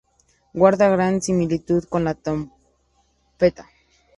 Guarda gran similitud con la trompeta.